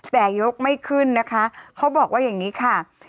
แต่ยกไม่ขึ้นนะคะเขาบอกว่าอย่างนี้ค่ะ